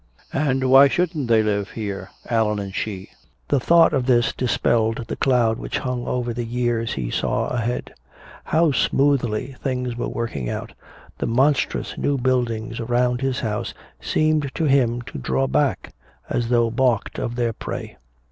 And why shouldn't they live here, Allan and she? The thought of this dispelled the cloud which hung over the years he saw ahead. How smoothly things were working out. The monstrous new buildings around his house seemed to him to draw back as though balked of their prey.